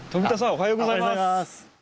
おはようございます。